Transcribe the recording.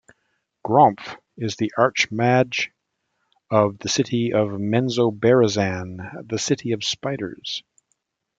Gromph is the Archmage of the city of Menzoberranzan, the City of Spiders.